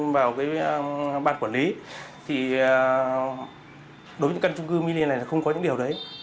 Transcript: đối với ban quản lý thì đối với những căn trung cư mini này là không có những điều đấy